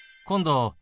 「今度」。